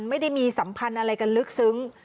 ไม่ได้มีสัมพันธ์อะไรกันลึกซึ้ง